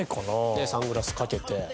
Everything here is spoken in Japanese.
ねえサングラスかけて。